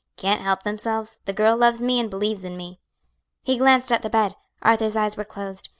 "can't help themselves" ... "the girl loves me and believes in me." He glanced at the bed. Arthur's eyes were closed.